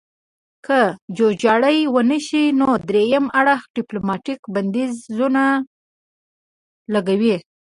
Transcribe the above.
که جوړجاړی ونشي نو دریم اړخ ډیپلوماتیک بندیزونه لګوي